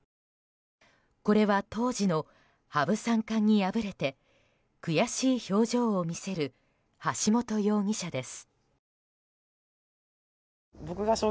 これは当時の羽生三冠に敗れて悔しい表情を見せる橋本容疑者です。